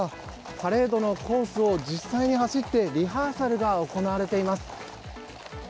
パレードのコースを実際に走ってリハーサルが行われています。